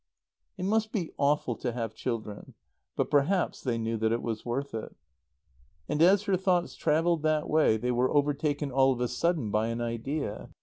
It must be awful to have children. But perhaps they knew that it was worth it. And as her thoughts travelled that way they were overtaken all of a sudden by an idea.